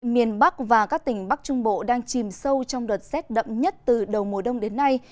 miền bắc và các tỉnh bắc trung bộ đang chìm sâu trong đợt rét đậm nhất từ đầu mùa đông đến nay